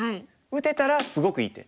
打てたらすごくいい手。